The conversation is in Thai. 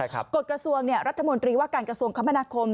กฎกระทรวงรัฐมนตรีว่าการกระทรวงคมนาคม